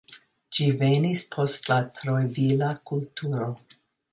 Ĝi venis post la Trojvila kulturo.